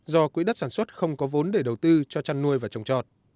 do quỹ đất sản xuất không có vốn để đầu tư cho chăn nuôi và trồng trọt